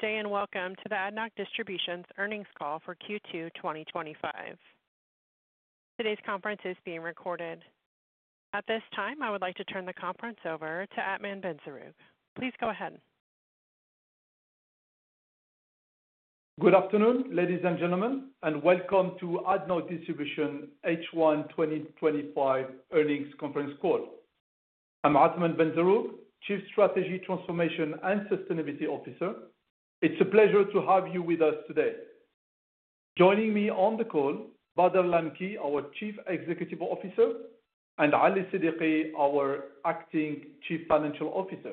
Today and welcome to the ADNOC Distribution's Earnings Call for Q2 2025. Today's conference is being recorded. At this time, I would like to turn the conference over to Athmane Benzerroug. Please go ahead. Good afternoon, ladies and gentlemen, and welcome to ADNOC Distribution H1 2025 Earnings Conference Call. I'm Athmane Benzerroug, Chief Strategy, Transformation, and Sustainability Officer. It's a pleasure to have you with us today. Joining me on the call, Bader Al Lamki, our Chief Executive Officer, and Ali Siddiqi, our Acting Chief Financial Officer.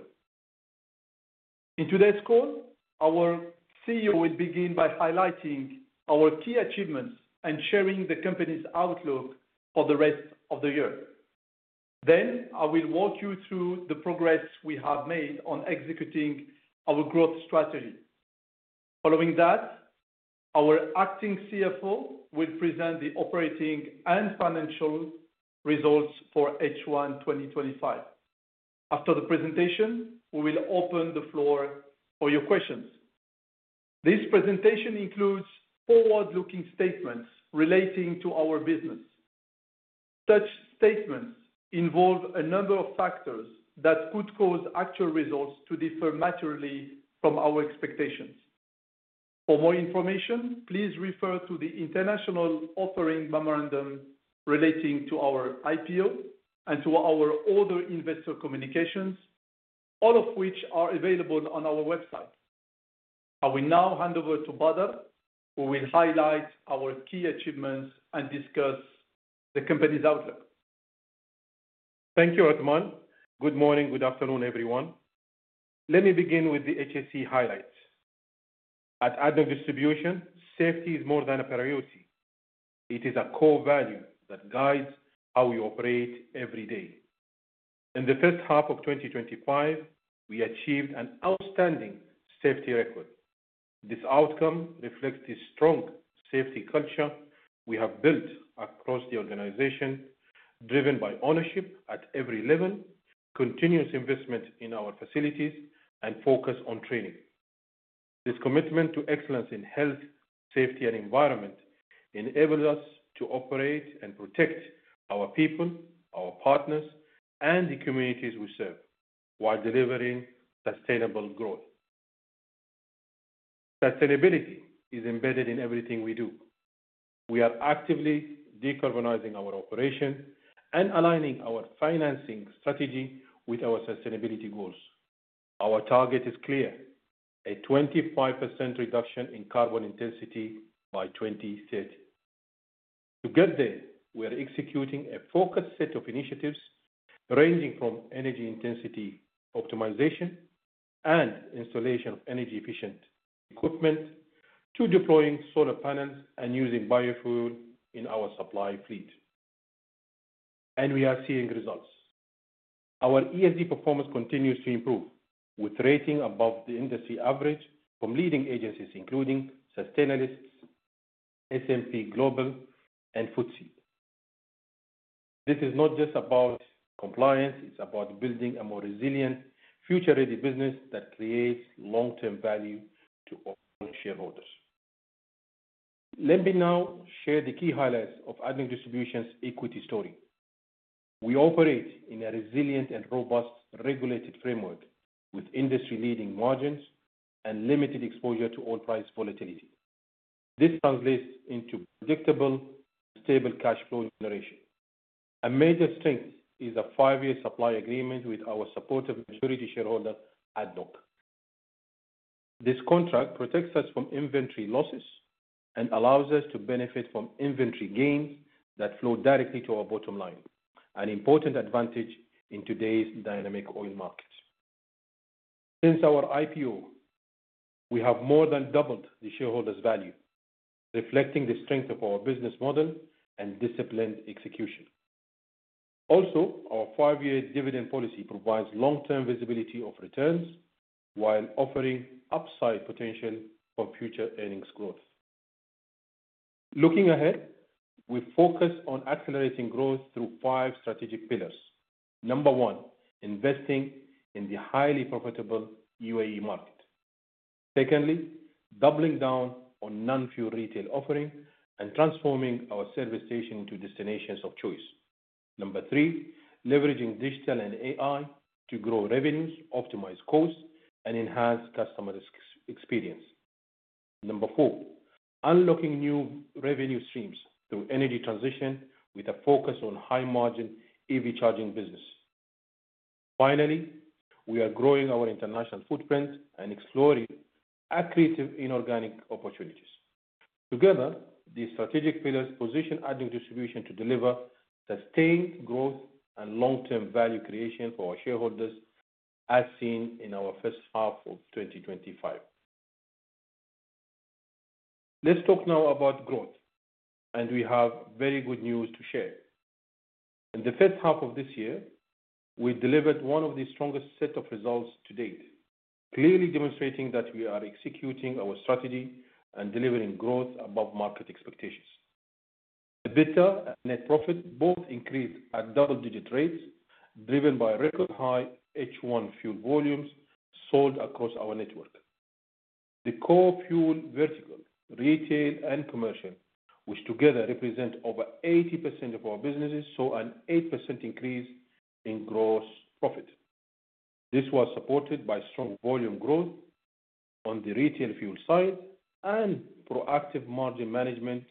In today's call, our CEO will begin by highlighting our key achievements and sharing the company's outlook for the rest of the year. I will walk you through the progress we have made on executing our growth strategy. Following that, our Acting CFO will present the operating and financial results for H1 2025. After the presentation, we will open the floor for your questions. This presentation includes forward-looking statements relating to our business. Such statements involve a number of factors that could cause actual results to differ materially from our expectations. For more information, please refer to the International Offering Memorandum relating to our IPO and to our other investor communications, all of which are available on our website. I will now hand over to Bader, who will highlight our key achievements and discuss the company's outlook. Thank you, Athmane. Good morning, good afternoon, everyone. Let me begin with the HSE highlights. At ADNOC Distribution, safety is more than a priority. It is a core value that guides how we operate every day. In the first half of 2025, we achieved an outstanding safety record. This outcome reflects the strong safety culture we have built across the organization, driven by ownership at every level, continuous investment in our facilities, and focus on training. This commitment to excellence in health, safety, and environment enables us to operate and protect our people, our partners, and the communities we serve while delivering sustainable growth. Sustainability is embedded in everything we do. We are actively decarbonizing our operation and aligning our financing strategy with our sustainability goals. Our target is clear: a 25% reduction in carbon intensity by 2030. To get there, we are executing a focused set of initiatives ranging from energy intensity optimization and installation of energy-efficient equipment to deploying solar panels and using biofuels in our supply fleet. We are seeing results. Our ESG performance continues to improve, with rating above the industry average from leading agencies including Sustainalysts, S&P Global, and FTSE. This is not just about compliance; it is about building a more resilient, future-ready business that creates long-term value to all shareholders. Let me now share the key highlights of ADNOC Distribution's equity story. We operate in a resilient and robust regulated framework with industry-leading margins and limited exposure to oil-price volatility. This translates into predictable, stable cash flow generation. A major strength is a five-year supply agreement with our supportive majority shareholder, ADNOC. This contract protects us from inventory losses and allows us to benefit from inventory gains that flow directly to our bottom line, an important advantage in today's dynamic oil market. Since our IPO, we have more than doubled the shareholders' value, reflecting the strength of our business model and disciplined execution. Also, our five-year dividend policy provides long-term visibility of returns while offering upside potential for future earnings growth. Looking ahead, we focus on accelerating growth through five strategic pillars. Number one, investing in the highly profitable UAE market. Secondly, doubling down on non-fuel retail offering and transforming our service station to destinations of choice. Number three, leveraging digital and AI to grow revenues, optimize costs, and enhance customer experience. Number four, unlocking new revenue streams through energy transition with a focus on high-margin EV charging business. Finally, we are growing our international footprint and exploring accretive inorganic opportunities. Together, these strategic pillars position ADNOC Distribution to deliver sustained growth and long-term value creation for our shareholders, as seen in our first half of 2025. Let's talk now about growth, and we have very good news to share. In the first half of this year, we delivered one of the strongest sets of results to date, clearly demonstrating that we are executing our strategy and delivering growth above market expectations. The EBITDA and net profit both increased at double-digit rates, driven by record-high H1 fuel volumes sold across our network. The core fuel vertical, retail and commercial, which together represent over 80% of our businesses, saw an 8% increase in gross profit. This was supported by strong volume growth on the retail fuel side and proactive margin management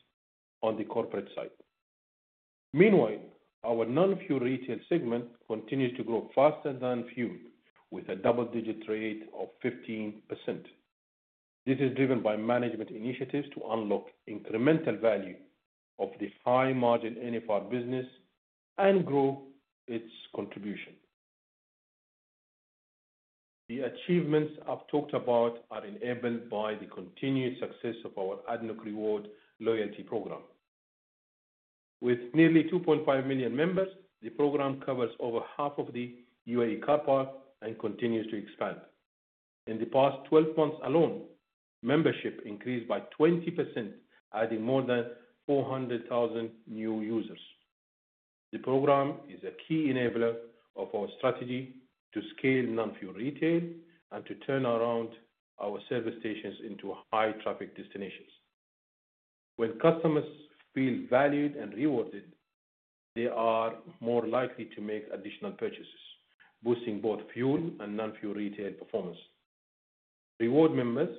on the corporate side. Meanwhile, our non-fuel retail segment continues to grow faster than fuel, with a double-digit rate of 15%. This is driven by management initiatives to unlock incremental value of the high-margin non-fuel retail business and grow its contribution. The achievements I've talked about are enabled by the continued success of our ADNOC Rewards loyalty program. With nearly 2.5 million members, the program covers over half of the UAE car park and continues to expand. In the past 12 months alone, membership increased by 20%, adding more than 400,000 new users. The program is a key enabler of our strategy to scale non-fuel retail and to turn around our service stations into high-traffic destinations. When customers feel valued and rewarded, they are more likely to make additional purchases, boosting both fuel and non-fuel retail performance. Rewards members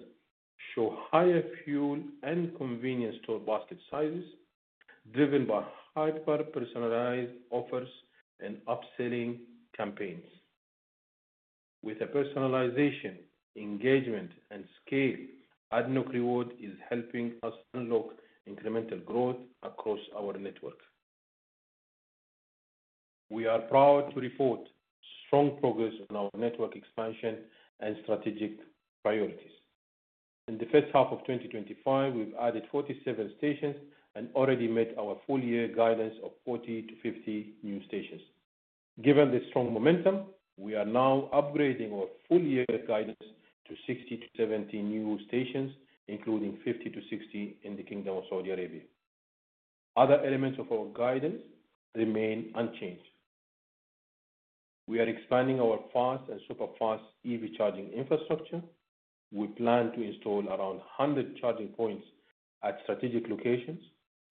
show higher fuel and convenience store basket sizes, driven by hyper-personalized offers and upselling campaigns. With personalization, engagement, and scale, ADNOC Rewards is helping us unlock incremental growth across our network. We are proud to report strong progress on our network expansion and strategic priorities. In the first half of 2025, we've added 47 stations and already met our full-year guidance of 40 to 50 new stations. Given this strong momentum, we are now upgrading our full-year guidance to 60 to 70 new stations, including 50 to 60 in the Kingdom of Saudi Arabia. Other elements of our guidance remain unchanged. We are expanding our fast and super-fast EV charging infrastructure. We plan to install around 100 charging points at strategic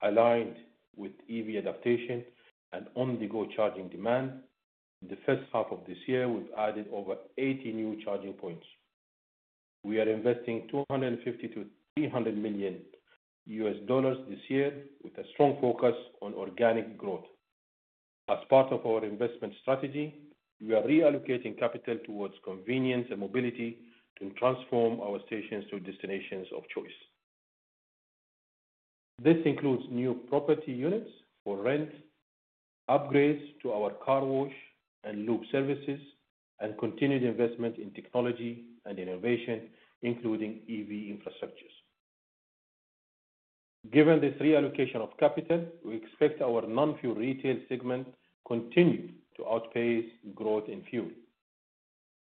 locations, aligned with EV adaptation and on-the-go charging demand. In the first half of this year, we've added over 80 new charging points. We are investing $250million-$300 million this year with a strong focus on organic growth. As part of our investment strategy, we are reallocating capital towards convenience and mobility to transform our stations to destinations of choice. This includes new property units for rent, upgrades to our car wash and lube services, and continued investment in technology and innovation, including EV infrastructure. Given the reallocation of capital, we expect our non-fuel retail segment continues to outpace growth in fuel.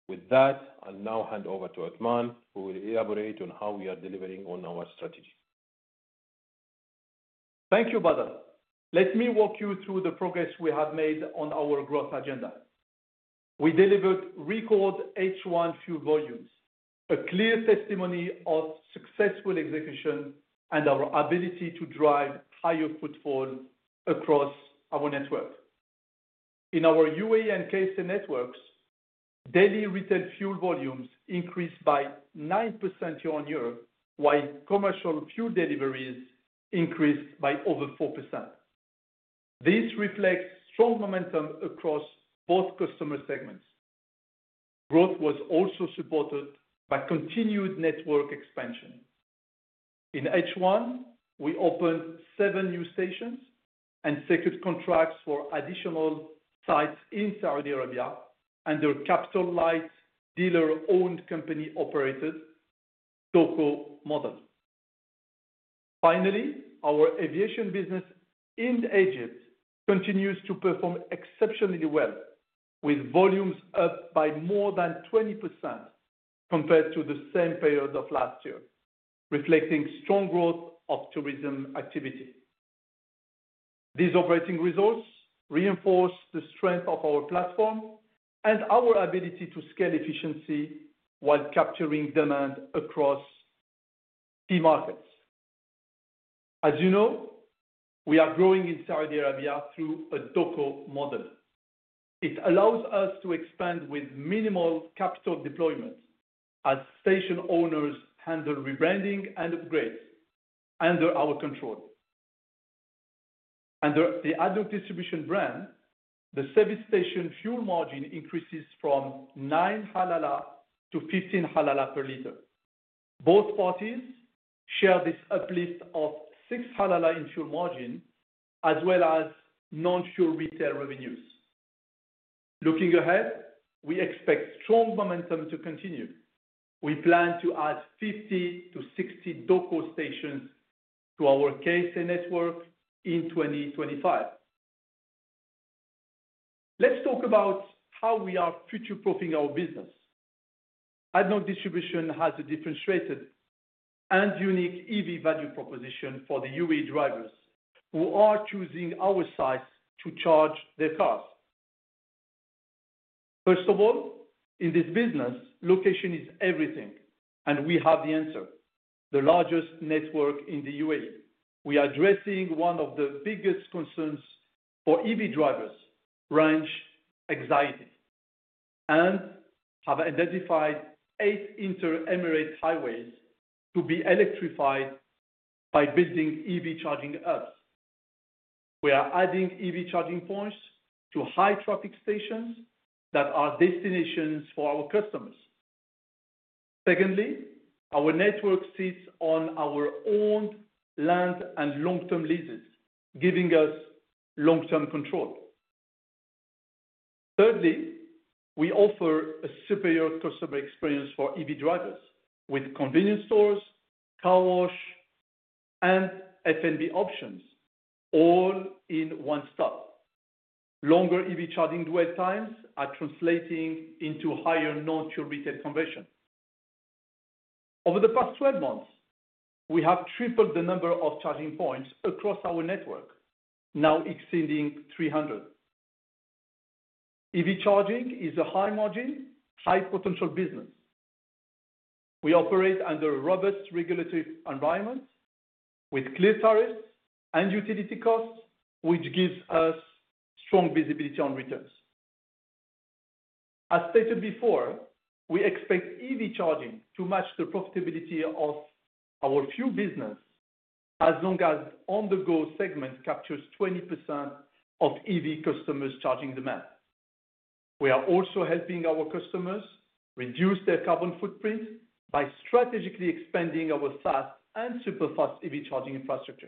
With that, I'll now hand over to Athmane, who will elaborate on how we are delivering on our strategy. Thank you, Bader. Let me walk you through the progress we have made on our growth agenda. We delivered record H1 fuel volumes, a clear testimony of successful execution and our ability to drive higher footfall across our network. In our UAE and KSA networks, daily retail fuel volumes increased by 9% year-on-year, while commercial fuel deliveries increased by over 4%. This reflects strong momentum across both customer segments. Growth was also supported by continued network expansion. In H1, we opened seven new stations and secured contracts for additional sites in Saudi Arabia under capital-light dealer-owned company operators, DOCO model. Finally, our aviation business in Egypt continues to perform exceptionally well, with volumes up by more than 20% compared to the same period of last year, reflecting strong growth of tourism activity. These operating results reinforce the strength of our platform and our ability to scale efficiency while capturing demand across key markets. As you know, we are growing in Saudi Arabia through a DOCO model. It allows us to expand with minimal capital deployment as station owners handle rebranding and upgrades under our control. Under the ADNOC Distribution brand, the service station fuel margin increases from 0.09 to 0.15 per liter. Both parties share this uplift of 0.06 in fuel margin, as well as non-fuel retail revenues. Looking ahead, we expect strong momentum to continue. We plan to add 50 to 60 DOCO stations to our KSA network in 2025. Let's talk about how we are future-proofing our business. ADNOC Distribution has a differentiated and unique EV value proposition for the UAE drivers who are choosing our sites to charge their cars. First of all, in this business, location is everything, and we have the answer: the largest network in the UAE. We are addressing one of the biggest concerns for EV drivers: range anxiety. We have identified eight inter-Emirates highways to be electrified by building EV charging hubs. We are adding EV charging points to high-traffic stations that are destinations for our customers. Secondly, our network sits on our own land and long-term leases, giving us long-term control. Thirdly, we offer a superior customer experience for EV drivers with convenience stores, car wash services, and F&B options, all in one stop. Longer EV charging dwell times are translating into higher non-fuel retail conversion. Over the past 12 months, we have tripled the number of charging points across our network, now exceeding 300. EV charging is a high-margin, high-potential business. We operate under a robust regulatory environment with clear tariffs and utility costs, which gives us strong visibility on returns. As stated before, we expect EV charging to match the profitability of our fuel business as long as the on-the-go segment captures 20% of EV customers' charging demand. We are also helping our customers reduce their carbon footprint by strategically expanding our fast and super-fast EV charging infrastructure.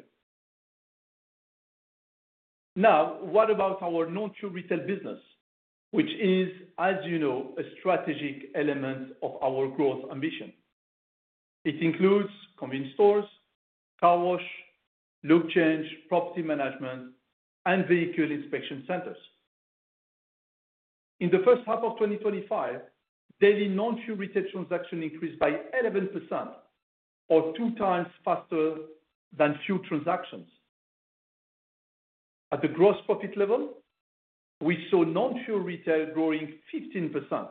Now, what about our non-fuel retail business, which is, as you know, a strategic element of our growth ambition? It includes convenience stores, car wash, lube change, property management, and vehicle inspection centers. In the first half of 2025, daily non-fuel retail transactions increased by 11%, or two times faster than fuel transactions. At the gross profit level, we saw non-fuel retail growing 15%,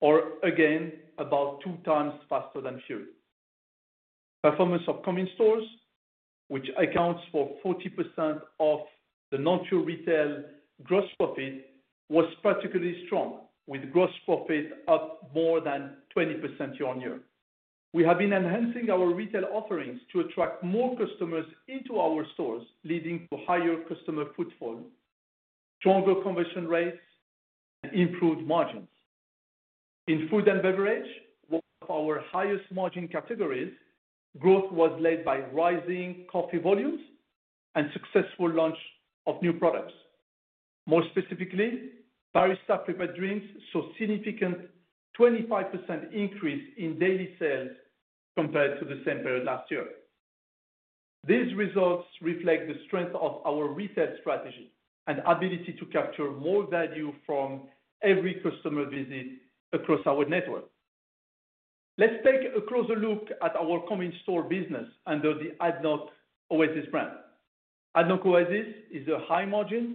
or again, about two times faster than fuel. Performance of convenience stores, which accounts for 40% of the non-fuel retail gross profit, was particularly strong, with gross profit up more than 20% year-on-year. We have been enhancing our retail offerings to attract more customers into our stores, leading to higher customer footfall, stronger conversion rates, and improved margins. In food and beverage, one of our highest margin categories, growth was led by rising coffee volumes and successful launch of new products. More specifically, barista-prepared drinks saw a significant 25% increase in daily sales compared to the same period last year. These results reflect the strength of our retail strategy and ability to capture more value from every customer visit across our network. Let's take a closer look at our convenience store business under the ADNOC Oasis brand. ADNOC Oasis is a high-margin,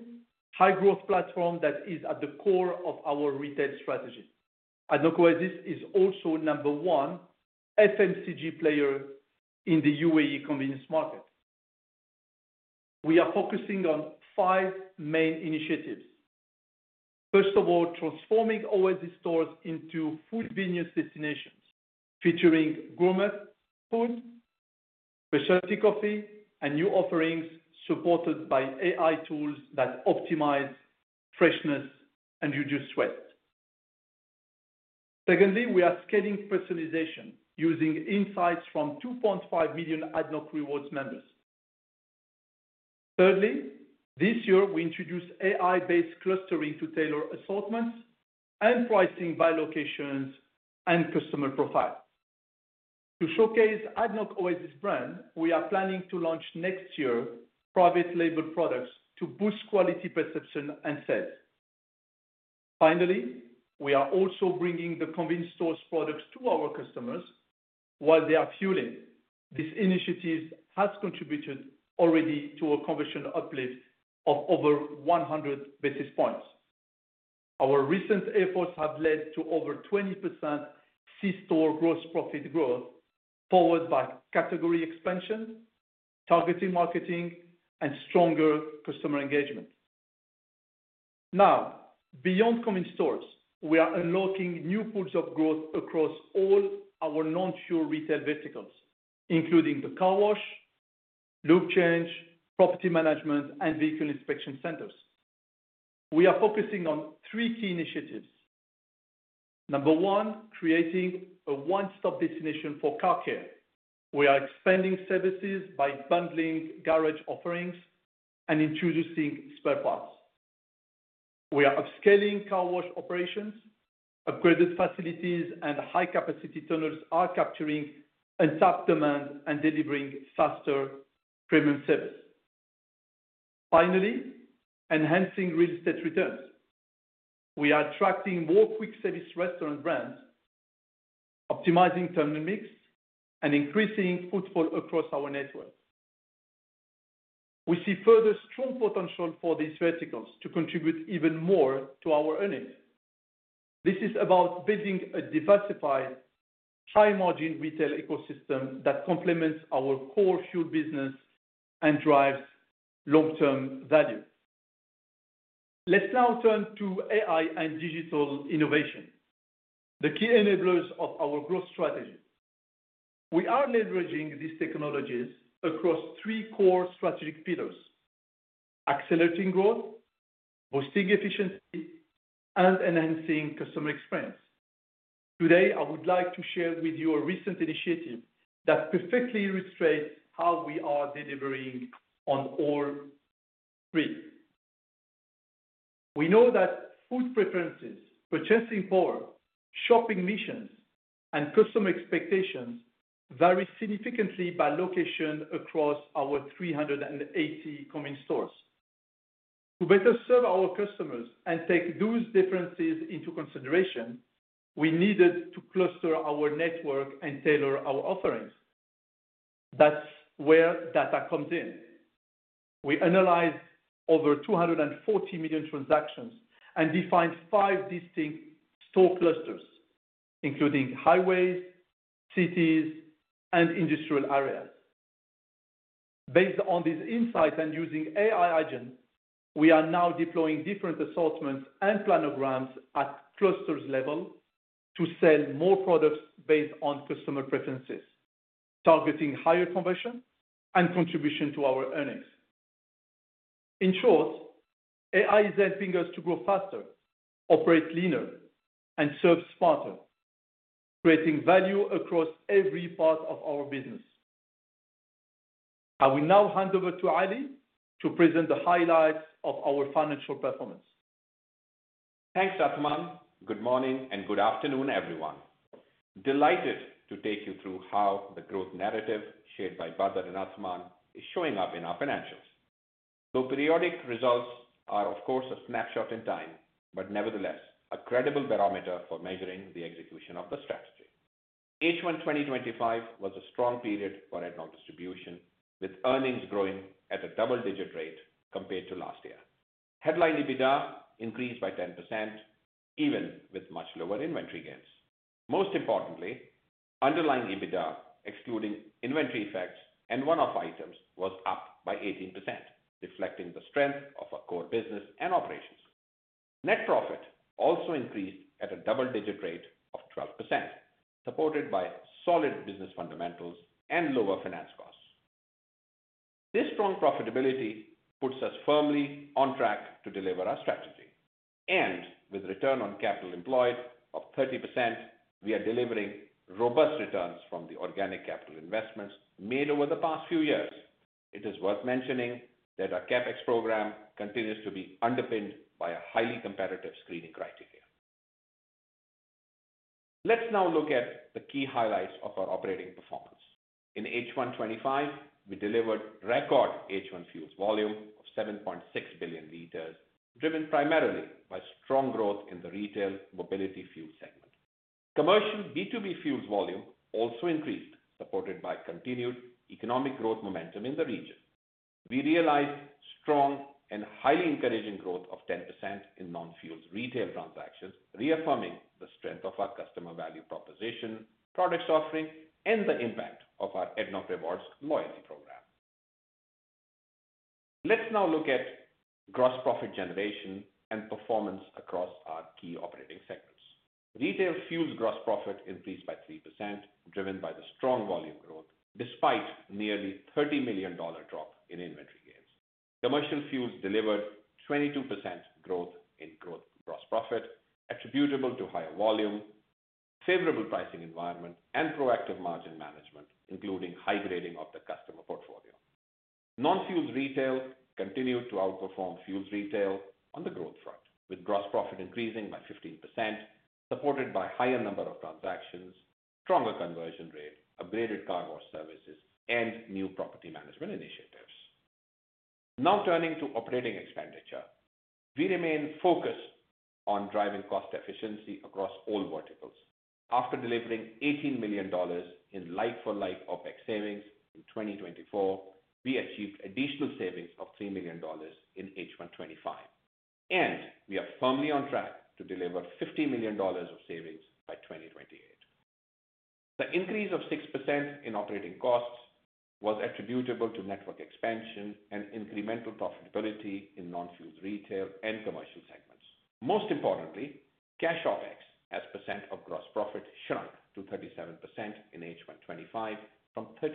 high-growth platform that is at the core of our retail strategy. ADNOC Oasis is also a number one FMCG player in the UAE convenience market. We are focusing on five main initiatives. First of all, transforming Oasis stores into food venues destinations, featuring gourmet food, specialty coffee, and new offerings supported by AI tools that optimize freshness and reduce sweat. Secondly, we are scaling personalization using insights from 2.5 million ADNOC Rewards members. Thirdly, this year we introduced AI-based clustering to tailor assortments and pricing by locations and customer profile. To showcase the ADNOC Oasis brand, we are planning to launch next year private-label products to boost quality perception and sales. Finally, we are also bringing the convenience stores' products to our customers while they are fueling. This initiative has contributed already to a conversion uplift of over 100 basis points. Our recent efforts have led to over 20% sea store gross profit growth, powered by category expansion, targeted marketing, and stronger customer engagement. Now, beyond convenience stores, we are unlocking new pools of growth across all our non-fuel retail verticals, including the car wash, lube change, property management, and vehicle inspection centers. We are focusing on three key initiatives. Number one, creating a one-stop destination for car care. We are expanding services by bundling garage offerings and introducing spare parts. We are upscaling car wash operations. Upgraded facilities and high-capacity tunnels are capturing untapped demand and delivering faster premium service. Finally, enhancing real estate returns. We are attracting more quick-service restaurant brands, optimizing terminal mix, and increasing footfall across our network. We see further strong potential for these verticals to contribute even more to our earnings. This is about building a diversified, high-margin retail ecosystem that complements our core fuel business and drives long-term value. Let's now turn to AI and digital innovation, the key enablers of our growth strategy. We are leveraging these technologies across three core strategic pillars: accelerating growth, boosting efficiency, and enhancing customer experience. Today, I would like to share with you a recent initiative that perfectly illustrates how we are delivering on all three. We know that food preferences, purchasing power, shopping missions, and customer expectations vary significantly by location across our 380 convenience stores. To better serve our customers and take those differences into consideration, we needed to cluster our network and tailor our offerings. That's where data comes in. We analyzed over 240 million transactions and defined five distinct store clusters, including highways, cities, and industrial areas. Based on these insights and using AI agents, we are now deploying different assortments and planograms at clusters' level to sell more products based on customer preferences, targeting higher conversion and contribution to our earnings. In short, AI is helping us to grow faster, operate leaner, and serve smarter, creating value across every part of our business. I will now hand over to Ali to present the highlights of our financial performance. Thanks, Athmane. Good morning and good afternoon, everyone. Delighted to take you through how the growth narrative shared by Bader and Athmane is showing up in our financials. The periodic results are, of course, a snapshot in time, but nevertheless, a credible barometer for measuring the execution of the strategy. H1 2025 was a strong period for ADNOC Distribution, with earnings growing at a double-digit rate compared to last year. Headline EBITDA increased by 10%, even with much lower inventory gains. Most importantly, underlying EBITDA, excluding inventory effects and one-off items, was up by 18%, reflecting the strength of our core business and operations. Net profit also increased at a double-digit rate of 12%, supported by solid business fundamentals and lower finance costs. This strong profitability puts us firmly on track to deliver our strategy. With a return on capital employed of 30%, we are delivering robust returns from the organic capital investments made over the past few years. It is worth mentioning that our CapEx program continues to be underpinned by a highly competitive screening criteria. Let's now look at the key highlights of our operating performance. In H1 2025, we delivered record H1 fuels volume: 7.6 billion liters, driven primarily by strong growth in the retail mobility fuel segment. Commercial B2B fuels volume also increased, supported by continued economic growth momentum in the region. We realized strong and highly encouraging growth of 10% in non-fuel retail transactions, reaffirming the strength of our customer value proposition, product offering, and the impact of our ADNOC Rewards loyalty program. Let's now look at gross profit generation and performance across our key operating segments. Retail fuels gross profit increased by 3%, driven by the strong volume growth, despite a nearly $30 million drop in inventory gains. Commercial fuels delivered 22% growth in gross profit, attributable to higher volume, favorable pricing environment, and proactive margin management, including high grading of the customer portfolio. Non-fuel retail continued to outperform fuels retail on the growth front, with gross profit increasing by 15%, supported by a higher number of transactions, stronger conversion rate, upgraded car wash services, and new property management initiatives. Now turning to operating expenditure, we remain focused on driving cost efficiency across all verticals. After delivering $18 million in like-for-like OpEx savings in 2024, we achieved additional savings of $3 million in H1 2025. We are firmly on track to deliver $50 million of savings by 2028. The increase of 6% in operating costs was attributable to network expansion and incremental profitability in non-fuel retail and commercial segments. Most importantly, cash OpEx, as % of gross profit, shrank to 37% in H1 2025, from 38%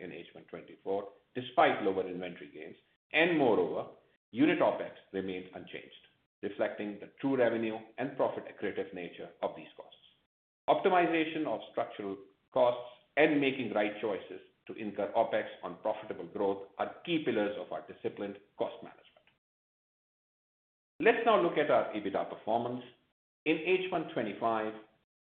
in H1 2024, despite lower inventory gains. Moreover, unit OpEx remained unchanged, reflecting the true revenue and profit accretive nature of these costs. Optimization of structural costs and making the right choices to incur OpEx on profitable growth are key pillars of our disciplined cost management. Let's now look at our EBITDA performance. In H1 2025,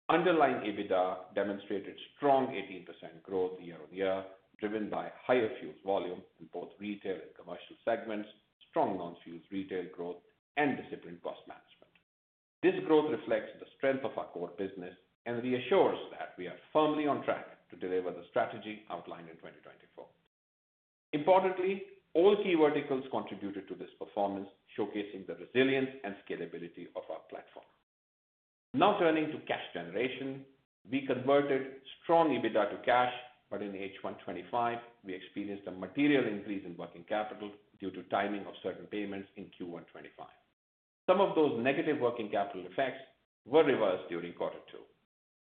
underlying EBITDA demonstrated strong 18% growth year-on-year, driven by higher fuel volume in both retail and commercial segments, strong non-fuel retail growth, and disciplined cost management. This growth reflects the strength of our core business and reassures that we are firmly on track to deliver the strategy outlined in 2024. Importantly, all key verticals contributed to this performance, showcasing the resilience and scalability of our platform. Now turning to cash generation, we converted strong EBITDA to cash, but in H1 2025, we experienced a material increase in working capital due to timing of certain payments in Q1 2025. Some of those negative working capital effects were reversed during quarter two.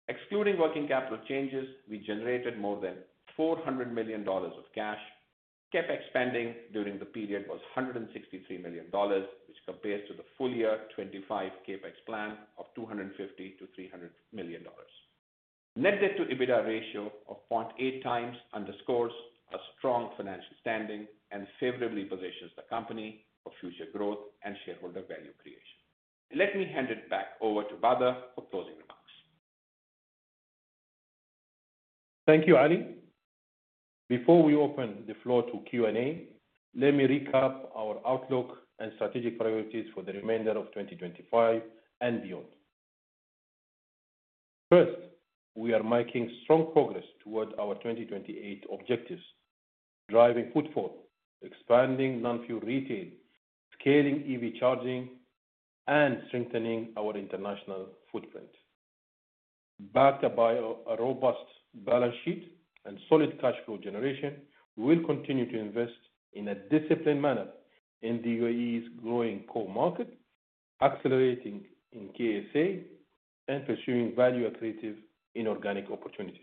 Excluding working capital changes, we generated more than $400 million of cash. CapEx spending during the period was $163 million, which compares to the full-year 2025 CapEx plan of $250 million-$300 million. The net debt-to-EBITDA ratio of 0.8x underscores our strong financial standing and favorably positions the company for future growth and shareholder value creation. Let me hand it back over to Bader for closing remarks. Thank you, Ali. Before we open the floor to Q&A, let me recap our outlook and strategic priorities for the remainder of 2025 and beyond. First, we are making strong progress toward our 2028 objectives: driving footfall, expanding non-fuel retail, scaling EV charging, and strengthening our international footprint. Backed by a robust balance sheet and solid cash flow generation, we'll continue to invest in a disciplined manner in the UAE's growing core market, accelerating in KSA, and pursuing value accretive inorganic opportunities.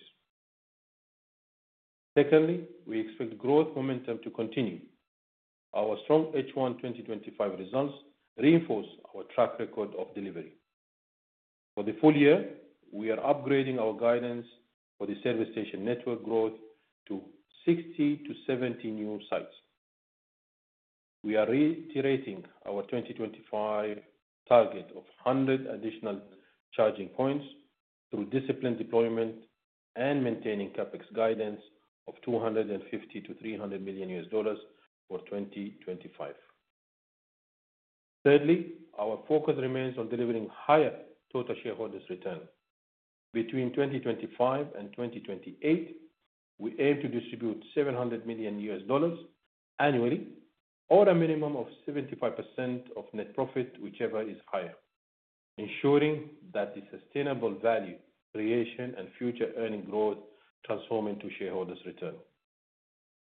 Secondly, we expect growth momentum to continue. Our strong H1 2025 results reinforce our track record of delivery. For the full year, we are upgrading our guidance for the service station network growth to 60 to 70 new sites. We are reiterating our 2025 target of 100 additional charging points through disciplined deployment and maintaining CapEx guidance of $250 million-$300 million for 2025. Thirdly, our focus remains on delivering higher total shareholders' return. Between 2025 and 2028, we aim to distribute $700 million annually, or a minimum of 75% of net profit, whichever is higher, ensuring that the sustainable value creation and future earning growth transform into shareholders' return.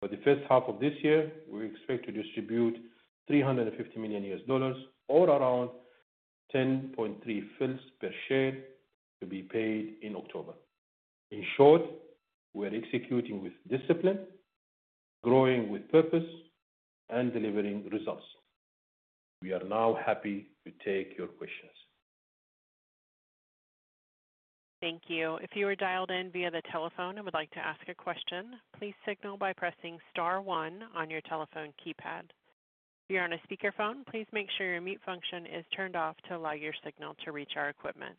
For the first half of this year, we expect to distribute $350 million, or around $0.103 per share, to be paid in October. In short, we're executing with discipline, growing with purpose, and delivering results. We are now happy to take your questions. Thank you. If you are dialed in via the telephone and would like to ask a question, please signal by pressing star one on your telephone keypad. If you're on a speakerphone, please make sure your mute function is turned off to allow your signal to reach our equipment.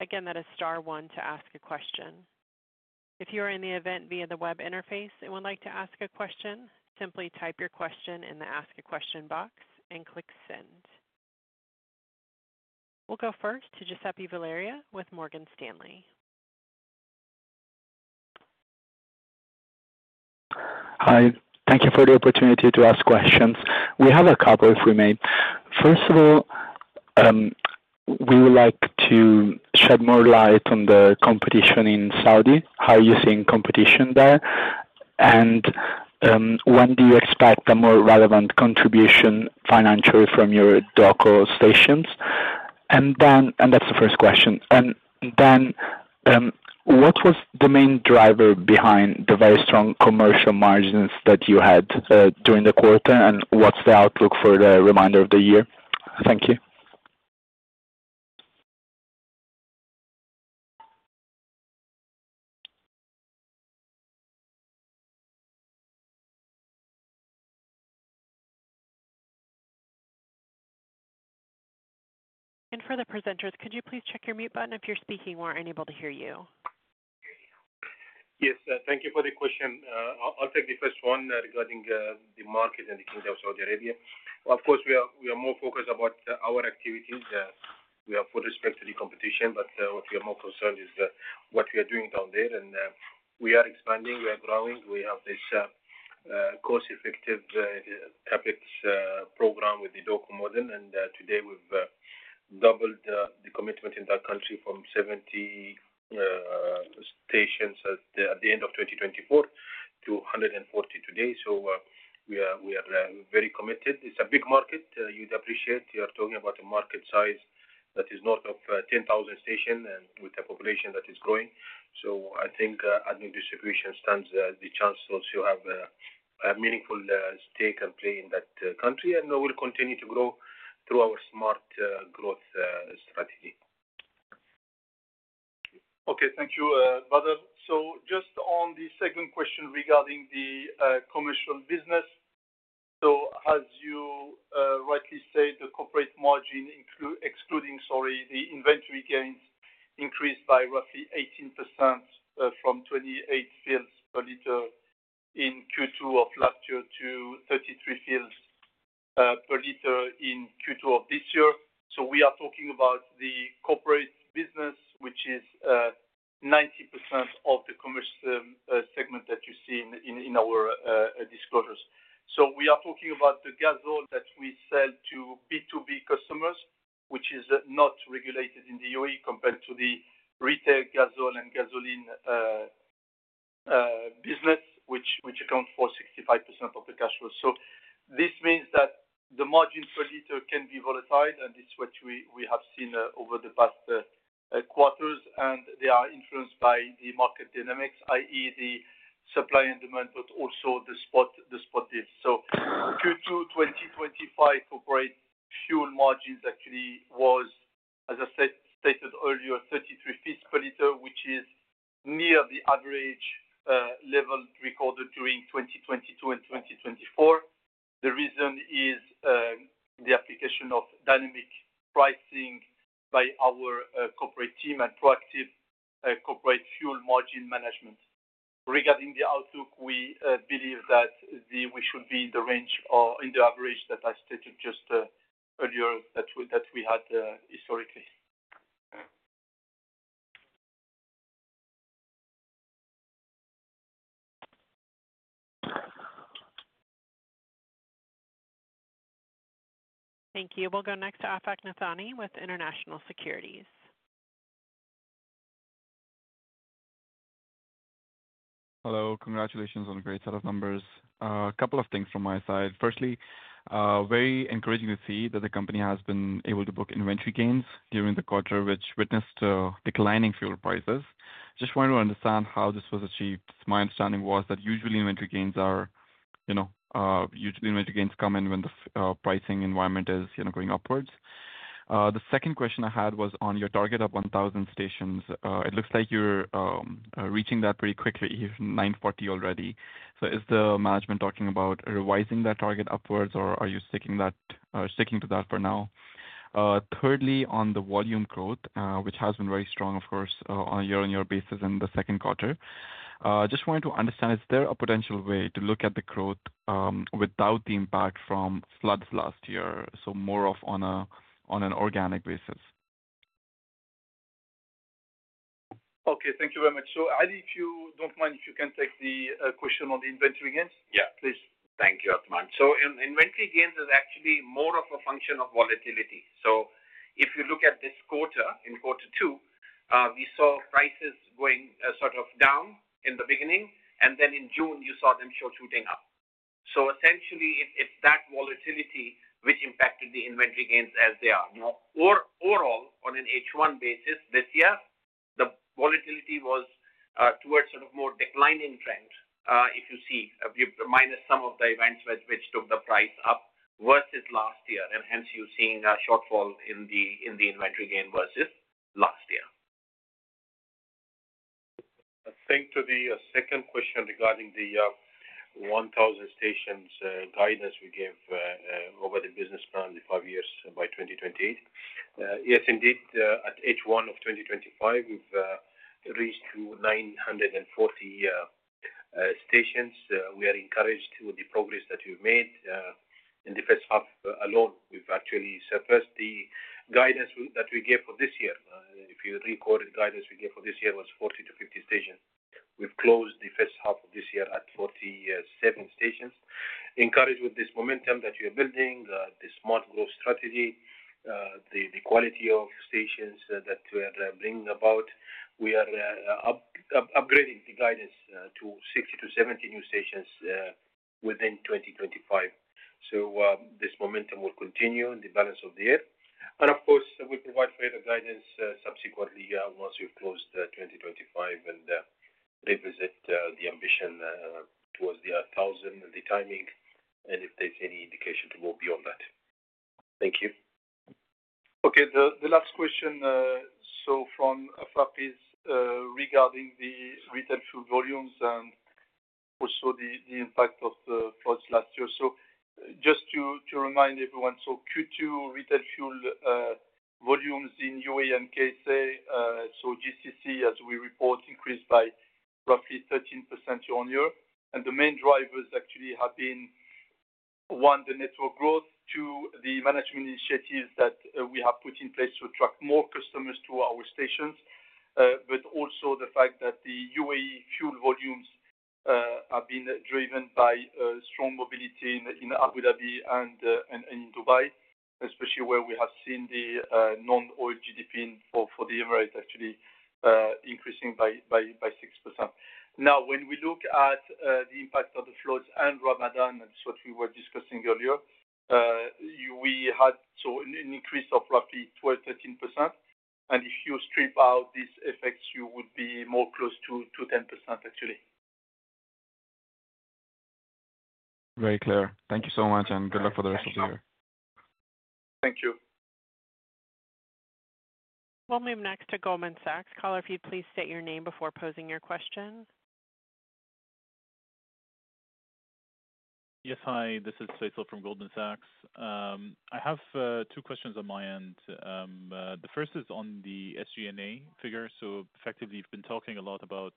Again, that is star one to ask a question. If you are in the event via the web interface and would like to ask a question, simply type your question in the ask a question box and click send. We'll go first to Giuseppe Villari with Morgan Stanley. Hi. Thank you for the opportunity to ask questions. We have a couple, if we may. First of all, we would like to shed more light on the competition in Saudi. How are you seeing competition there? When do you expect a more relevant contribution financially from your DOCO stations? What was the main driver behind the very strong commercial margins that you had during the quarter? What's the outlook for the remainder of the year? Thank you. For the presenters, could you please check your mute button if you're speaking or we are unable to hear you? Yes, thank you for the question. I'll take the first one regarding the market in the Kingdom of Saudi Arabia. Of course, we are more focused about our activities. We have full respect to the competition, but what we are more concerned is what we are doing down there. We are expanding. We are growing. We have this cost-effective CapEx program with the DOCO model. Today, we've doubled the commitment in that country from 70 stations at the end of 2024 to 140 today. We are very committed. It's a big market. You'd appreciate you are talking about a market size that is north of 10,000 stations and with a population that is growing. I think ADNOC Distribution stands the chance to also have a meaningful stake and play in that country and will continue to grow through our smart growth strategy. Okay. Thank you, Bader. Just on the second question regarding the commercial business. As you rightly said, the corporate margin, excluding the inventory gains, increased by roughly 18% from 0.28 per liter in Q2 of last year to 0.33 per liter in Q2 of this year. We are talking about the corporate business, which is 90% of the commercial segment that you see in our disclosures. We are talking about the gas oil that we sell to B2B customers, which is not regulated in the UAE compared to the retail gas oil and gasoline business, which accounts for 65% of the cash flow. This means that the margin per liter can be volatile, and this is what we have seen over the past quarters. They are influenced by the market dynamics, i.e., the supply and demand, but also the spot deals. Q2 2025 corporate fuel margins actually was, as I stated earlier, 0.33 per liter, which is near the average level recorded during 2022 and 2024. The reason is the application of dynamic pricing by our corporate team and proactive corporate fuel margin management. Regarding the outlook, we believe that we should be in the range or in the average that I stated just earlier that we had historically. Thank you. We'll go next to Afaq Nathani with International Securities. Hello. Congratulations on a great set of numbers. A couple of things from my side. Firstly, very encouraging to see that the company has been able to book inventory gains during the quarter, which witnessed declining fuel prices. Just wanted to understand how this was achieved. My understanding was that usually inventory gains are usually inventory gains come in when the pricing environment is going upwards. The second question I had was on your target of 1,000 stations. It looks like you're reaching that pretty quickly, 940 already. Is the management talking about revising that target upwards, or are you sticking to that for now? Thirdly, on the volume growth, which has been very strong, of course, on a year-on-year basis in the second quarter. Just wanted to understand, is there a potential way to look at the growth without the impact from floods last year? More of on an organic basis. Okay. Thank you very much. Ali, if you don't mind, if you can take the question on the inventory gains. Yeah. Please. Thank you, Athmane. Inventory gains is actually more of a function of volatility. If you look at this quarter, in quarter two, we saw prices going down in the beginning, and then in June, you saw them shooting up. Essentially, it's that volatility which impacted the inventory gains as they are. Overall, on an H1 basis this year, the volatility was towards a more declining trend, minus some of the events which took the price up versus last year. Hence, you're seeing a shortfall in the inventory gain versus last year. I think to the second question regarding the 1,000 stations guidance we gave over the business plan in the five years by 2028. Yes, indeed. At H1 of 2025, we've reached to 940 stations. We are encouraged with the progress that we've made. In the first half alone, we've actually surpassed the guidance that we gave for this year. If you recall the guidance we gave for this year, it was 40 to 50 stations. We've closed the first half of this year at 47 stations. Encouraged with this momentum that we are building, the smart growth strategy, the quality of stations that we're bringing about, we are upgrading the guidance to 60 to 70 new stations within 2025. This momentum will continue in the balance of the year. Of course, we'll provide further guidance subsequently once we've closed 2025 and represent the ambition towards the 1,000 and the timing, and if there's any indication to move beyond that. Thank you. Okay. The last question from Afaq regarding the retail fuel volumes and also the impact of the floods last year. Just to remind everyone, Q2 retail fuel volumes in UAE and KSA, so GCC as we report, increased by roughly 13% year-on-year. The main drivers actually have been, one, the network growth, two, the management initiatives that we have put in place to attract more customers to our stations, and also the fact that the UAE fuel volumes have been driven by strong mobility in Abu Dhabi and in Dubai, especially where we have seen the non-oil GDP for the Emirates actually increasing by 6%. Now, when we look at the impact of the floods and Ramadan, and that's what we were discussing earlier, we had an increase of roughly 12%, 13%. If you strip out these effects, you would be more close to 10%, actually. Very clear. Thank you so much, and good luck for the rest of the year. Thank you. We'll move next to Goldman Sachs. Caller, if you'd please state your name before posing your question. Yes. Hi. This is Faisal from Goldman Sachs. I have two questions on my end. The first is on the SG&A figure. Effectively, you've been talking a lot about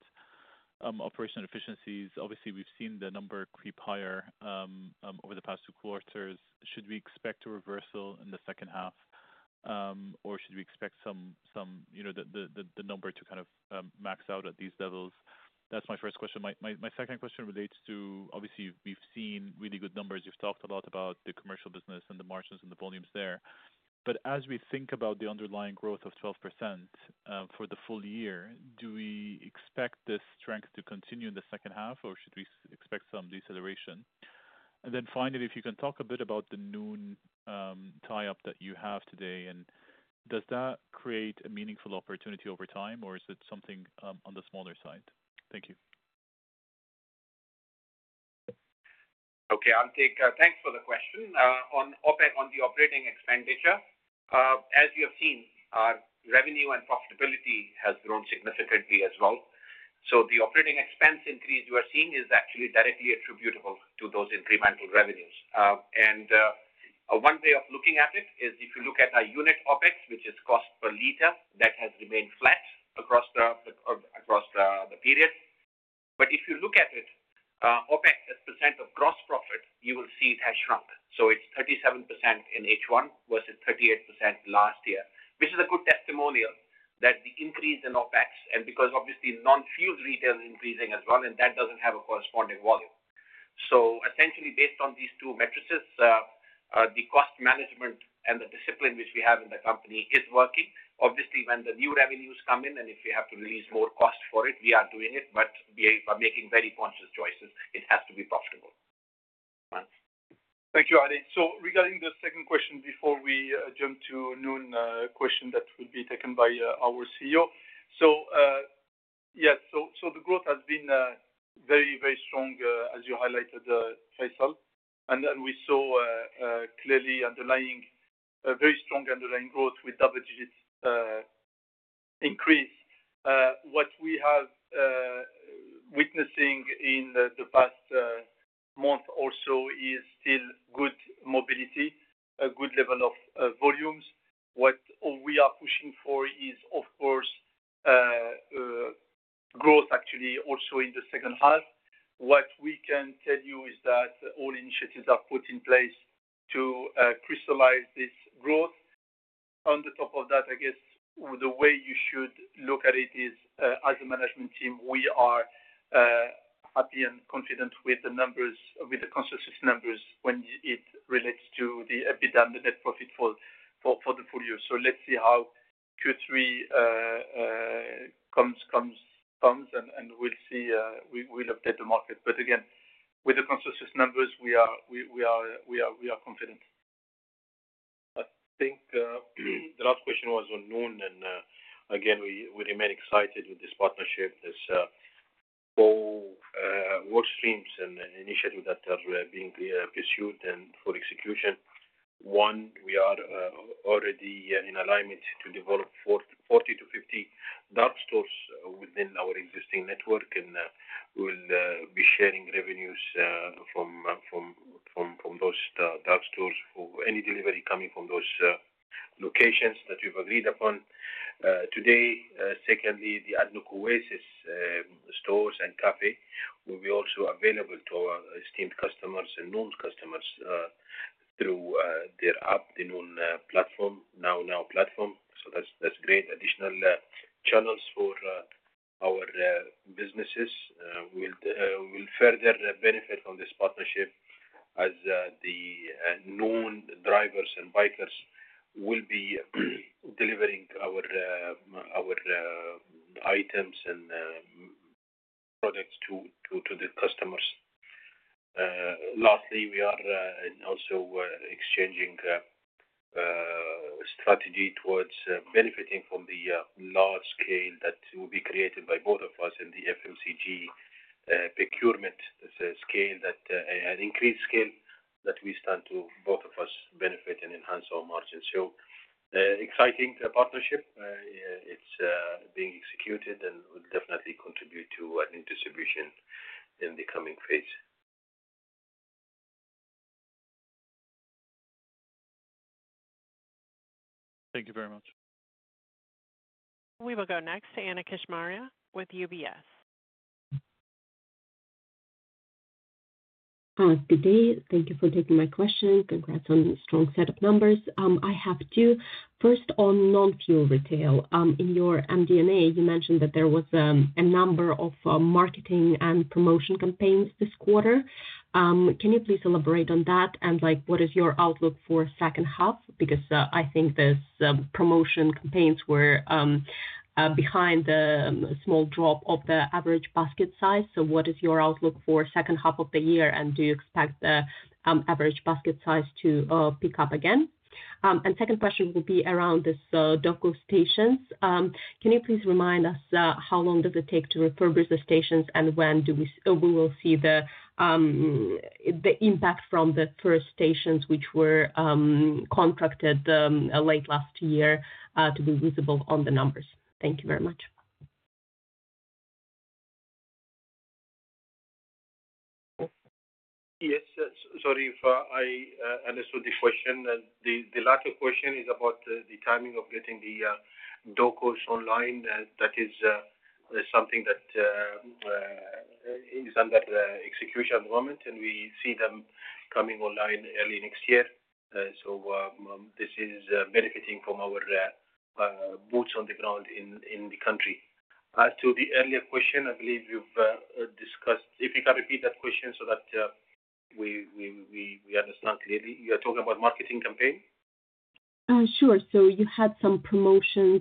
operational efficiencies. Obviously, we've seen the number creep higher over the past two quarters. Should we expect a reversal in the second half, or should we expect the number to kind of max out at these levels? That's my first question. My second question relates to, obviously, we've seen really good numbers. You've talked a lot about the commercial business and the margins and the volumes there. As we think about the underlying growth of 12% for the full year, do we expect this strength to continue in the second half, or should we expect some deceleration? Finally, if you can talk a bit about the noon tie-up that you have today, does that create a meaningful opportunity over time, or is it something on the smaller side? Thank you. Okay. Thanks for the question. On the operating expenditure, as we have seen, revenue and profitability have grown significantly as well. The operating expense increase you are seeing is actually directly attributable to those incremental revenues. One way of looking at it is if you look at our unit OpEx, which is cost per liter, that has remained flat across the period. If you look at it, OpEx as % of gross profit, you will see it has shrunk. It's 37% in H1 versus 38% last year, which is a good testimonial that the increase in OpEx, and because obviously non-fuel retail is increasing as well, and that doesn't have a corresponding volume. Essentially, based on these two metrics, the cost management and the discipline which we have in the company is working. Obviously, when the new revenues come in, and if we have to release more cost for it, we are doing it, but we are making very conscious choices. It has to be profitable. Thank you, Ali. Regarding the second question before we jump to a noon question that will be taken by our CEO, yes, the growth has been very, very strong, as you highlighted, Faisal. We saw clearly a very strong underlying growth with double-digit increase. What we have witnessed in the past month or so is still good mobility, a good level of volumes. What we are pushing for is, of course, growth actually also in the second half. What we can tell you is that all initiatives are put in place to crystallize this growth. On top of that, I guess the way you should look at it is, as a management team, we are happy and confident with the numbers, with the consensus numbers when it relates to the EBITDA and the net profit for the full year. Let's see how Q3 comes, and we'll see, we'll update the market. Again, with the consensus numbers, we are confident. I think the last question was on noon. We remain excited with this partnership, this whole workstreams and initiative that are being pursued for execution. One, we are already in alignment to develop 40 to 50 dark stores within our existing network, and we will be sharing revenues from those dark stores for any delivery coming from those locations that we've agreed upon. Today, secondly, the ADNOC Oasis stores and cafe will also be available to our esteemed customers and noon customers through their app, the noon platform, NowNow platform. That's great. Additional channels for our businesses will further benefit from this partnership as the noon drivers and bikers will be delivering our items and products to the customers. Lastly, we are also exchanging strategy towards benefiting from the large scale that will be created by both of us in the FMCG procurement. This is a scale, an increased scale, that we stand to both of us benefit and enhance our margins. Exciting partnership. It's being executed and will definitely contribute to ADNOC Distribution in the coming phase. Thank you very much. We will go next to Anna Kishmariya with UBS. Hi. Good day. Thank you for taking my question. Congrats on a strong set of numbers. I have two. First, on non-fuel retail. In your MD&A, you mentioned that there was a number of marketing and promotion campaigns this quarter. Can you please elaborate on that? What is your outlook for the second half? I think the promotion campaigns were behind the small drop of the average basket size. What is your outlook for the second half of the year? Do you expect the average basket size to pick up again? The second question will be around these DOCO stations. Can you please remind us how long it takes to refurbish the stations? When will we see the impact from the first stations, which were contracted late last year, to be visible on the numbers? Thank you very much. Yes. Sorry if I answered the question. The latter question is about the timing of getting the DOCOs online. That is something that is under the execution environment, and we see them coming online early next year. This is benefiting from our boots on the ground in the country. As to the earlier question, I believe you've discussed it. If you can repeat that question so that we understand clearly. You are talking about marketing campaign? Sure. You had some promotions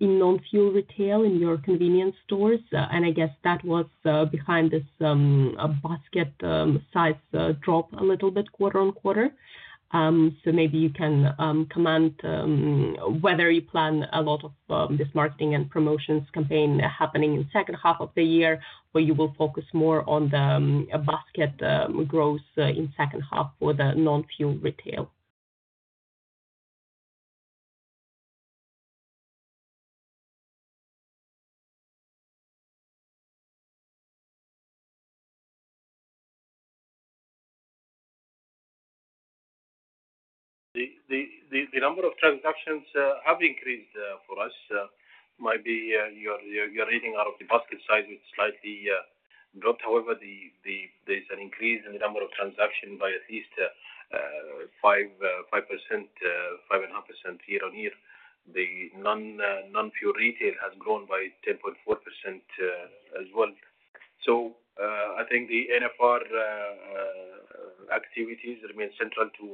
in non-fuel retail in your convenience stores, and I guess that was behind this basket size drop a little bit quarter-on-quarter. Maybe you can comment whether you plan a lot of this marketing and promotions campaign happening in the second half of the year, or you will focus more on the basket growth in the second half for the non-fuel retail. The number of transactions have increased for us. Maybe you're reading out of the basket size. It's slightly dropped. However, there's an increase in the number of transactions by at least 5%, 5.5% year-on-year. The non-fuel retail has grown by 10.4% as well. I think the NFR activities remain central to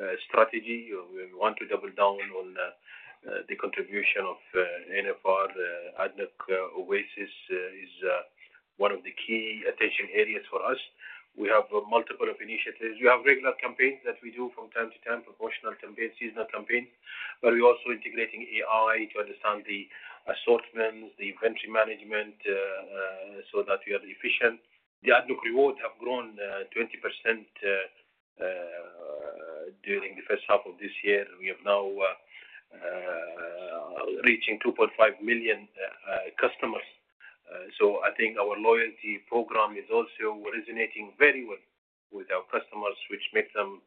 our strategy. We want to double down on the contribution of NFR. ADNOC Oasis is one of the key attention areas for us. We have multiple initiatives. We have regular campaigns that we do from time to time, promotional campaigns, seasonal campaigns, but we're also integrating AI to understand the assortments, the inventory management, so that we are efficient. The ADNOC Rewards has grown 20% during the first half of this year. We are now reaching 2.5 million customers. I think our loyalty program is also resonating very well with our customers, which makes them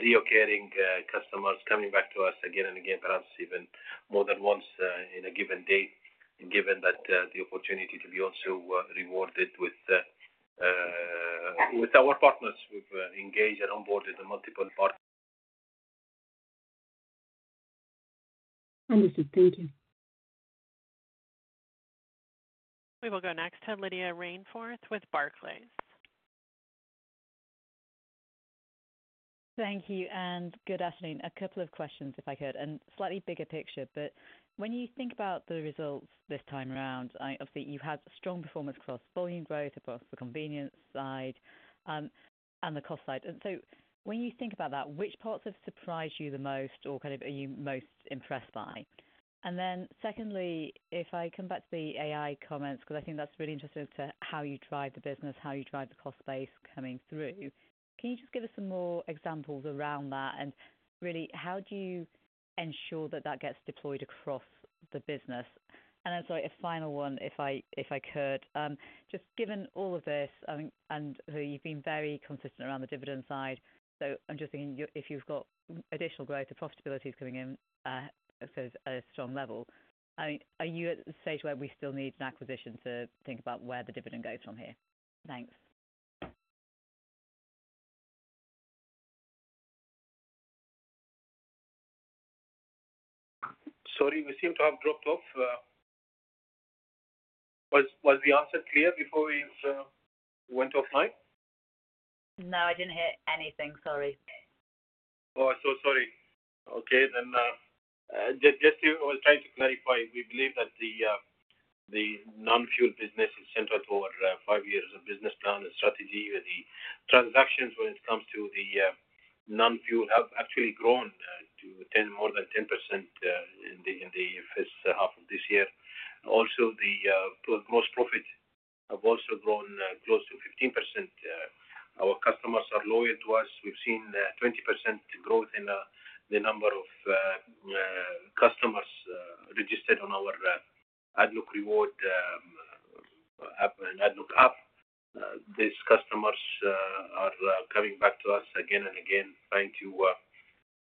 reoccurring customers coming back to us again and again, perhaps even more than once in a given day, given that the opportunity to be also rewarded with our partners. We've engaged and onboarded multiple partners. Understood. Thank you. We will go next to Lydia Rainforth with Barclays. Thank you, and good afternoon. A couple of questions, if I could, and slightly bigger picture. When you think about the results this time around, obviously, you've had strong performance across volume growth, across the convenience side, and the cost side. When you think about that, which parts have surprised you the most, or are you most impressed by? Secondly, if I come back to the AI comments, because I think that's really interesting as to how you drive the business, how you drive the cost base coming through. Can you just give us some more examples around that? How do you ensure that that gets deployed across the business? Sorry, a final one, if I could. Just given all of this, I mean, and you've been very consistent around the dividend side. I'm just thinking, if you've got additional growth, the profitability is coming in at a strong level. I mean, are you at the stage where we still need an acquisition to think about where the dividend goes from here? Thanks. Sorry, we seem to have dropped off. Was the answer clear before we went offline? No, I didn't hear anything. Sorry. I'm so sorry. Okay. Just to try to clarify, we believe that the non-fuel business is central to our five years of business plan and strategy, where the transactions, when it comes to the non-fuel, have actually grown to more than 10% in the first half of this year. Also, the most profit have also grown close to 15%. Our customers are loyal to us. We've seen 20% growth in the number of customers registered on our ADNOC Rewards and ADNOC app. These customers are coming back to us again and again, trying to,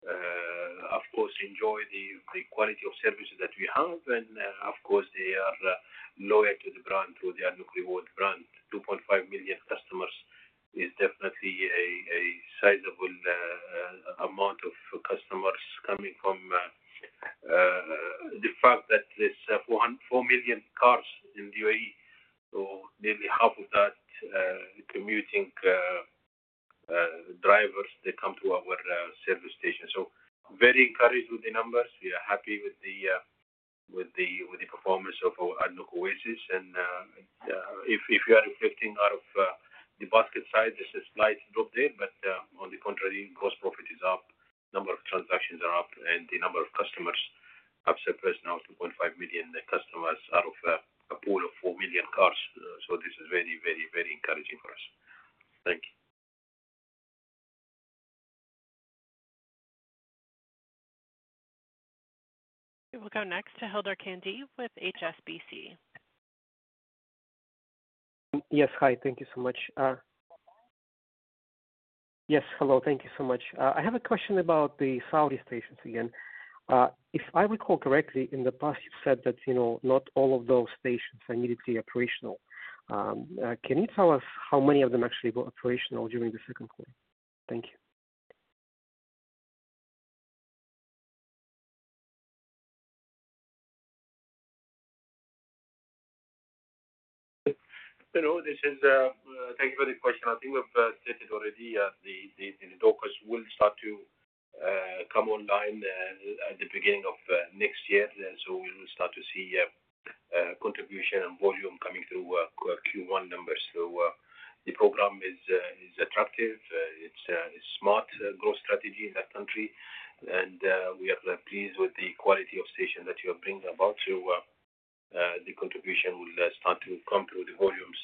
of course, enjoy the quality of services that we have. Of course, they are loyal to the brand through the ADNOC Rewards brand. 2.5 million customers is definitely a sizable amount of customers coming from the fact that there's 4 million cars in the UAE. Nearly half of that commuting drivers, they come to our service station. Very encouraged with the numbers. We are happy with the performance of our ADNOC Oasis. If you are reflecting out of the basket size, there's a slight drop there. On the contrary, gross profit is up. Number of transactions are up, and the number of customers have surpassed now 2.5 million customers out of a pool of 4 million cars. This is very, very, very encouraging for us. Thank you. We will go next to Ildar Khaziev with HSBC. Yes. Hi. Thank you so much. Hello. Thank you so much. I have a question about the Saudi stations again. If I recall correctly, in the past, you said that not all of those stations are nearly operational. Can you tell us how many of them actually were operational during the second quarter? Thank you. Hello. Thank you for the question. I think I've stated already the DOCOs will start to come online at the beginning of next year. We will start to see contribution and volume coming through Q1 numbers. The program is attractive. It's a smart growth strategy in that country. We are pleased with the quality of stations that you are bringing about. The contribution will start to come through the volumes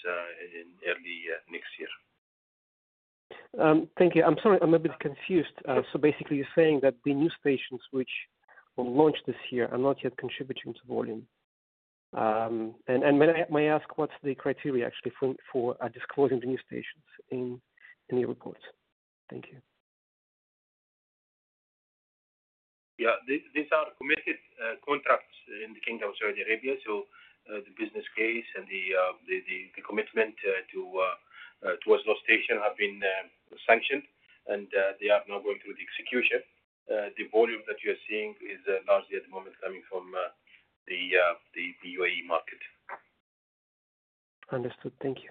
in early next year. Thank you. I'm sorry. I'm a bit confused. You're saying that the new stations, which were launched this year, are not yet contributing to volume. May I ask, what's the criteria actually for disclosing the new stations in your reports? Thank you. These are committed contracts in the Kingdom of Saudi Arabia. The business case and the commitment towards those stations have been sanctioned, and they are now going through the execution. The volume that you are seeing is largely at the moment coming from the UAE market. Understood. Thank you.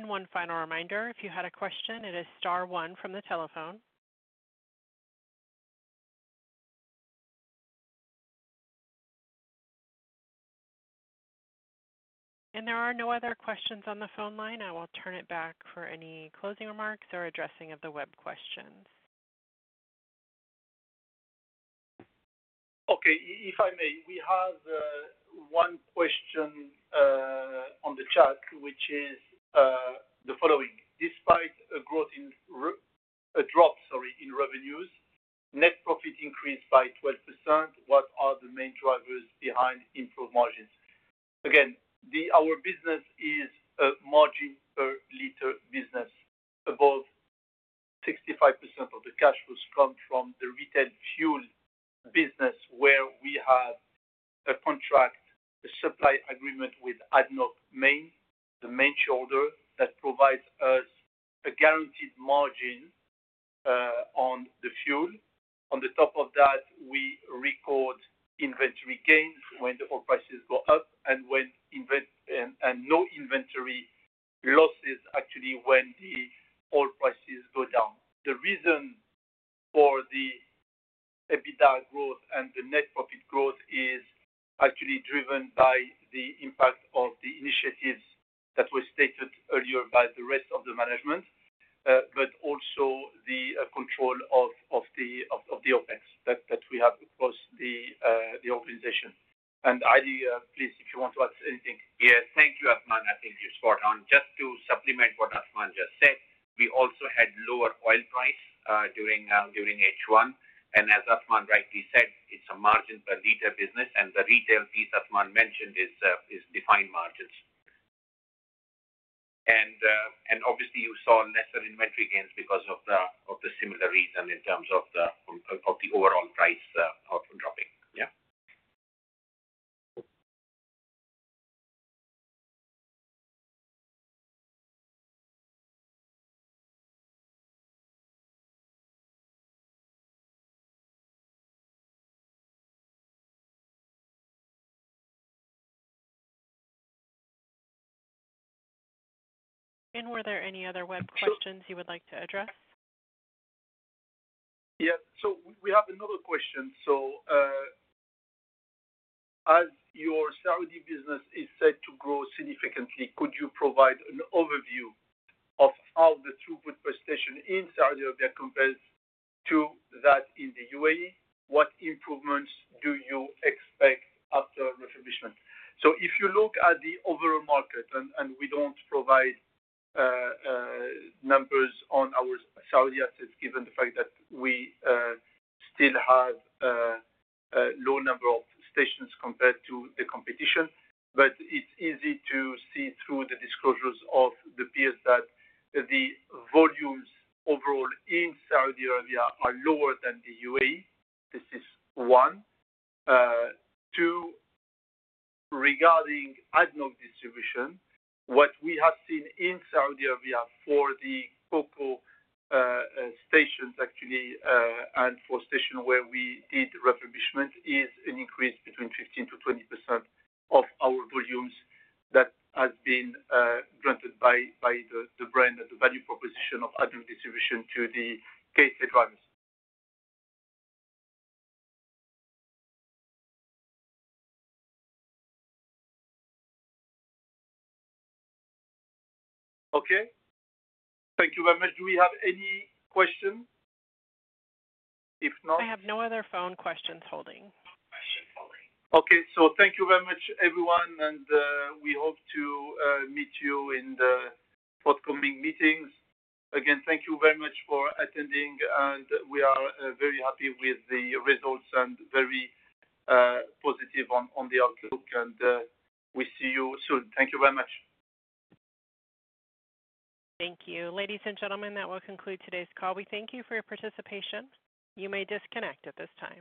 One final reminder, if you had a question, it is star one from the telephone. There are no other questions on the phone line. I will turn it back for any closing remarks or addressing of the web questions. Okay. If I may, we have one question on the chat, which is the following: despite a growth in a drop, sorry, in revenues, net profit increased by 12%. What are the main drivers behind improved margins? Again, our business is a margin per liter business. About 65% of the cash flows come from the retail fuel business, where we have a contract, a supply agreement with ADNOC Main, the main shorter, that provides us a guaranteed margin on the fuel. On top of that, we record inventory gains when the oil prices go dropping. Yeah? Were there any other web questions you would like to address? Yes. We have another question. As your Saudi business is set to grow significantly, could you provide an overview of how the throughput per station in Saudi Arabia compares to that in the UAE? What improvements do you expect after refurbishment? If you look at the overall market, we don't provide numbers on our Saudi assets, given the fact that we still have a low number of stations compared to the competition, but it's easy to see through the disclosures of the peers that the volumes overall in Saudi Arabia are lower than the UAE. This is one. Two, regarding ADNOC Distribution, what we have seen in Saudi Arabia for the DOCO stations, actually, and for stations where we did refurbishment, is an increase between 15%-20% of our volumes that has been granted by the brand and the value proposition of ADNOC Distribution to the KSA clients. Okay. Thank you very much. Do we have any questions? If not. I have no other phone questions holding. Thank you very much, everyone. We hope to meet you in the forthcoming meetings. Thank you very much for attending. We are very happy with the results and very positive on the outlook. We see you soon. Thank you very much. Thank you. Ladies and gentlemen, that will conclude today's call. We thank you for your participation. You may disconnect at this time.